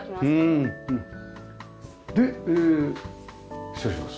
でえ失礼します。